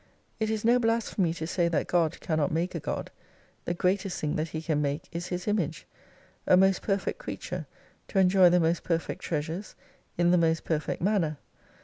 It is no /blasphemy to say that God cannot make a God : the greatest thing that He can make is His Image : a most perfect creature, to enjoy the most perfect treasures, in the most perfect manner.